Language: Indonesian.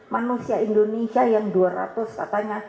manusia indonesia yang dua ratus katanya